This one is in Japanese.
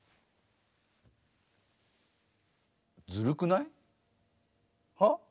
ずるくない？はっ？